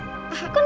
aku mau jalan